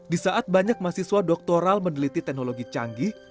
di saat banyak mahasiswa doktoral meneliti teknologi canggih